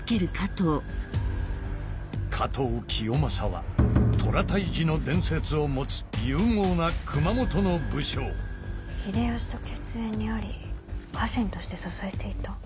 加藤清正は虎退治の伝説を持つ勇猛な熊本の武将秀吉と血縁にあり家臣として支えていた。